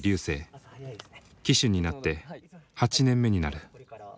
騎手になって８年目になる。